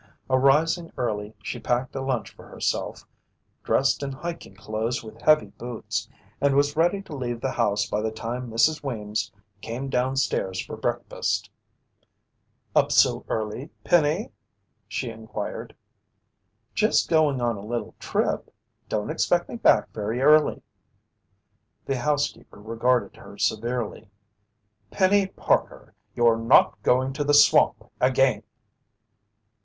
Arising early, she packed a lunch for herself, dressed in hiking clothes with heavy boots, and was ready to leave the house by the time Mrs. Weems came downstairs for breakfast. "Up so early, Penny?" she inquired. "Just going on a little trip. Don't expect me back very early." The housekeeper regarded her severely. "Penny Parker, you're not going to the swamp again!"